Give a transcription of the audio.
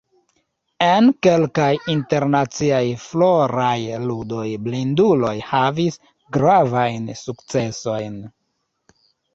En kelkaj Internaciaj Floraj Ludoj blinduloj havis gravajn sukcesojn.